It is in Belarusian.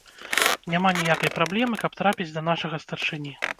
Няма ніякай праблемы, каб трапіць да нашага старшыні.